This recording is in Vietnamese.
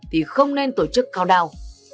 thì không nên tổ chức cao đao